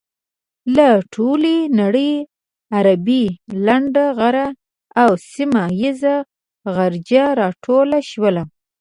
له ټولې نړۍ عربي لنډه غر او سيمه یيز غجر راټول شول.